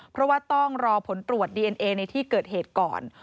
เพราะว่าต้องรอผลตรวจดีเอ็นเอในที่เกิดเหตุก่อน